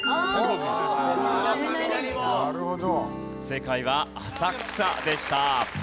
正解は浅草でした。